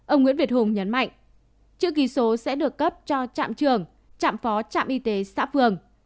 ông nguyễn việt hùng nhấn mạnh chữ ký số sẽ được cấp cho trạm trưởng trạm phó trạm y tế xã phường